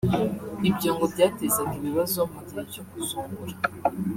Ibyo ngo byatezaga ibibazo mu gihe cyo kuzungura